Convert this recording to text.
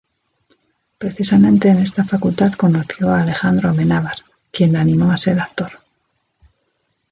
Precisamente en esta facultad conoció a Alejandro Amenábar, quien le animó a ser actor.